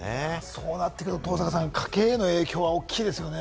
そうなってくると登坂さん、家計への影響は大きいですよね。